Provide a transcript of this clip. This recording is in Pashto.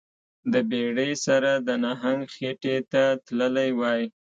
د بیړۍ سره د نهنګ خیټې ته تللی وای